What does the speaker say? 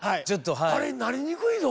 あれなりにくいぞ。